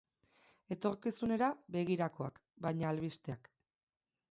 Etorkizunera begirakoak, baina albisteak.